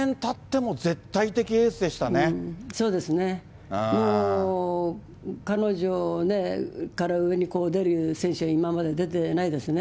もう彼女から上に出る選手が今まで出てないですね。